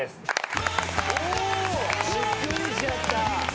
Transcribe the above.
おっ！・びっくりしちゃった。